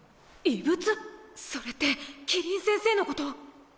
それって希林先生のこと！？